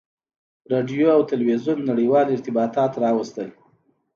• راډیو او تلویزیون نړیوال ارتباطات راوستل.